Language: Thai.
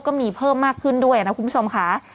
ก็มีเพิ่มมากขึ้นด้วยนะคุณผู้ชมค่ะ